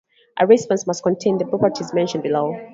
A response must contain the properties mentioned below.